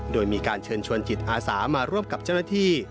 โดยมีการเชิญชวนจิตอาสามาร่วมกับเจ้าหน้าที่